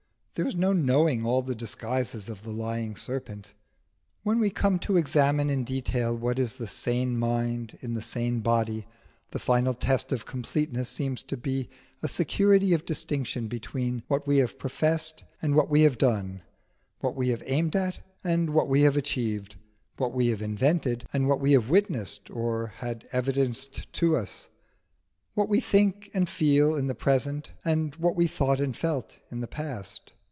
There is no knowing all the disguises of the lying serpent. When we come to examine in detail what is the sane mind in the sane body, the final test of completeness seems to be a security of distinction between what we have professed and what we have done; what we have aimed at and what we have achieved; what we have invented and what we have witnessed or had evidenced to us; what we think and feel in the present and what we thought and felt in the past.